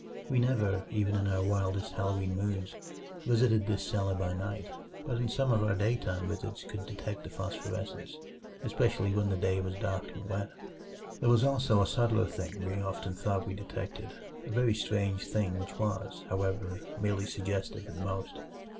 We never even in our wildest Halloween moods visited this cellar by night, but in some of our daytime visits could detect the phosphorescence, especially when the day was dark and wet. There was also a subtler thing we often thought we detected a very strange thing which was, however, merely suggestive at most.